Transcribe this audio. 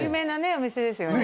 お店ですよね